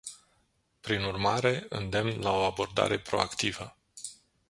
Prin urmare, îndemn la o abordare proactivă.